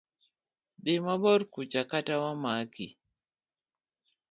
Dhi mabor kucha kata wamaki.